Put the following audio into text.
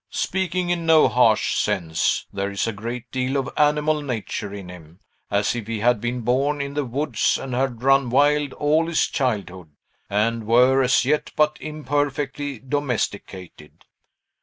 Speaking in no harsh sense, there is a great deal of animal nature in him, as if he had been born in the woods, and had run wild all his childhood, and were as yet but imperfectly domesticated.